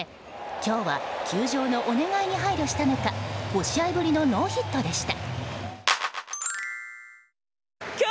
今日は球場のお願いに配慮したのか５試合ぶりのノーヒットでした。